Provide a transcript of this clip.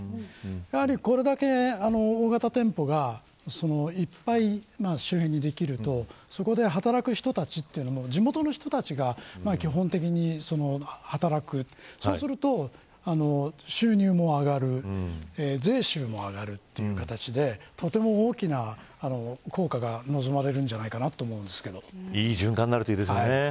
やはり、これだけ大型の店舗がいっぱい周辺にできるとそこで働く人たちは地元の人たちが基本的に働くというと収入も上がる税収も上がるという形でとても大きな効果は望まれるんじゃないかといい循環になるといいですね。